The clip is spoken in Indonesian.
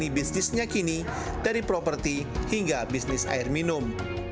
dari bisnisnya kini dari properti hingga bisnis air minum